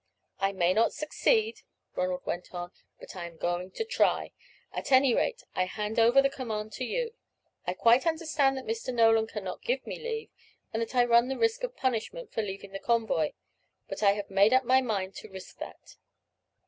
"I may not succeed," Ronald went on, "but I am going to try. At any rate, I hand over the command to you. I quite understand that Mr. Nolan cannot give me leave, and that I run the risk of punishment for leaving the convoy; but I have made up my mind to risk that."